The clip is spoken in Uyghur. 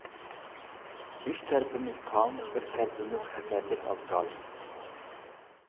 ئۈچ تەرىپىمىز تام، بىر تەرىپىمىز خەتەرلىك ئازگال.